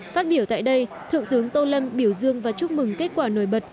phát biểu tại đây thượng tướng tô lâm biểu dương và chúc mừng kết quả nổi bật